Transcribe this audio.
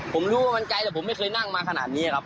ผมรู้ว่ามันไกลแต่ผมไม่เคยนั่งมาขนาดนี้ครับ